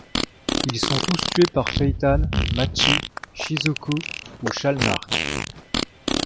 Ils sont tous tués par Feitan, Machi, Shizuku ou Shalnark.